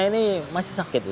telinga ini masih sakit